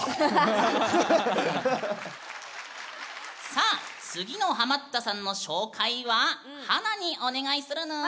さあ次のハマったさんの紹介は華にお願いするぬん。